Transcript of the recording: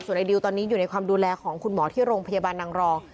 ไอดิวตอนนี้อยู่ในความดูแลของคุณหมอที่โรงพยาบาลนางรอง